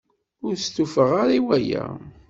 Ur stufaɣ ara i waya.